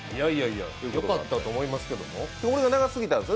いやいやよかったと思いますけど。